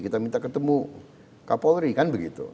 kita minta ketemu kapolri kan begitu